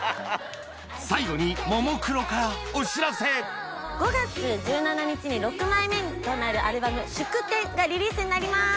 最後にももクロからお知らせ５月１７日に６枚目となるアルバム『祝典』がリリースになります！